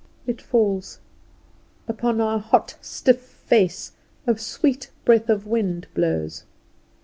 It falls. Upon our hot stiff face a sweet breath of wind blows.